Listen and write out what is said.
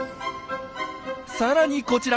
さらにこちら！